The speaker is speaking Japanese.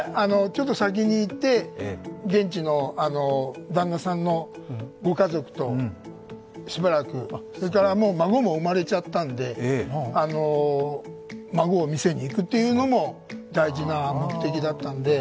ちょっと先に行って現地の旦那さんのご家族と、しばらく、それから孫も産まれちゃったんで孫を見せにいくというのも大事な目的だったんで。